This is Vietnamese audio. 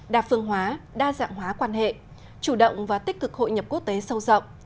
đa phương hóa đa dạng hóa quan hệ chủ động và tích cực hội nhập quốc tế sâu rộng